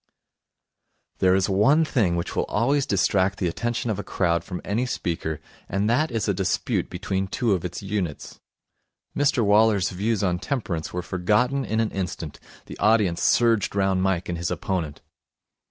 There is one thing which will always distract the attention of a crowd from any speaker, and that is a dispute between two of its units. Mr Waller's views on temperance were forgotten in an instant. The audience surged round Mike and his opponent.